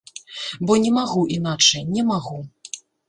Бо не магу іначай, не магу.